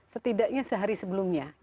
setidaknya sehari sebelumnya